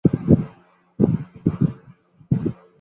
نکھتے ݙن٘د ولا نئیں پین٘دے